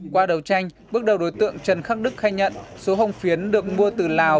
qua đầu tranh bước đầu đối tượng trần khắc đức khai nhận số hồng phiến được mua từ lào